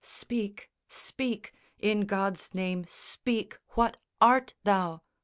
"Speak, speak, In God's name, speak, what art thou?"